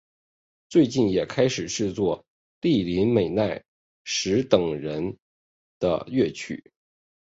最近也开始制作栗林美奈实等人的乐曲。